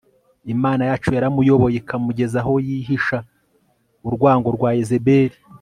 Imana yari yaramuyoboye ikamugeza aho yihisha urwango rwa Yezebeli